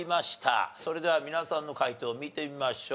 それでは皆さんの解答見てみましょう。